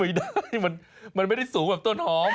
ไม่ได้มันไม่ได้สูงแบบต้นหอม